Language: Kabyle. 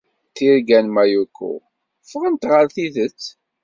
Tirga n Mayuko ffɣent ɣer tidet.